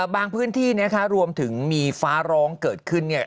บางพื้นที่รวมถึงมีฟ้าร้องเกิดขึ้น